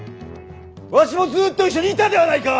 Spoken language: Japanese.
わしもずっと一緒にいたではないか！